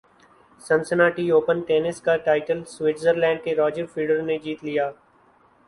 Cincinnati open tennis کا title Switzerland کے Roger Federer نے جیت لیا